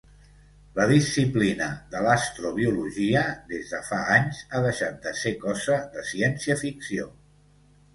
La disciplina de l'astrobiologia des de fa anys ha deixat de ser cosa de ciència-ficció.